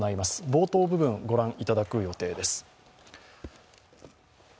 冒頭部分御覧いただく予定です。